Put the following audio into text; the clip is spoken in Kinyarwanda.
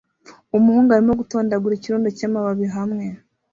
Umuhungu arimo gutondagura ikirundo cy'amababi hamwe